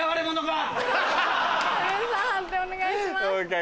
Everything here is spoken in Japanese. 判定お願いします。